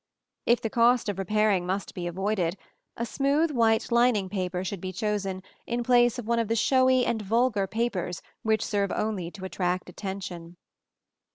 If the cost of repairing must be avoided, a smooth white lining paper should be chosen in place of one of the showy and vulgar papers which serve only to attract attention.